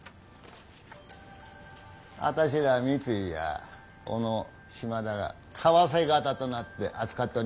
あたしら三井や小野島田が為替方となって扱っておりますがね